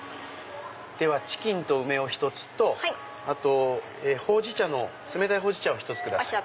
ではチキンと梅を１つと冷たいほうじ茶を１つ下さい。